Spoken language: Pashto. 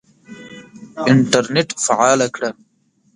انټرنېټ فعاله کړه !